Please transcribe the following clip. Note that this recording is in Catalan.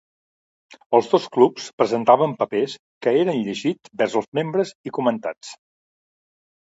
Els dos clubs presentaven papers 'que eren llegits vers els membres i comentats'.